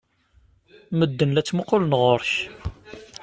Medden la ttmuqqulen ɣer-k.